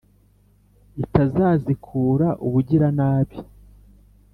Itazazikura ubugiranabi